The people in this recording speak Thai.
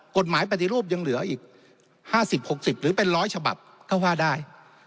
ปฏิรูปยังเหลืออีก๕๐๖๐หรือเป็น๑๐๐ฉบับก็ว่าได้